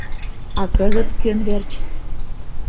А кызыт кӧн верч?..